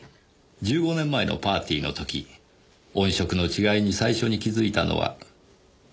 １５年前のパーティーの時音色の違いに最初に気づいたのは響さんですね？